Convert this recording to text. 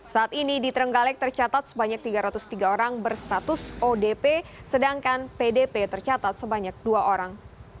saat ini di trenggalek tercatat sebanyak tiga ratus tiga orang berstatus odp sedangkan pdp tercatat sebanyak dua orang